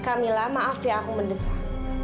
kamilah maaf ya aku mendesak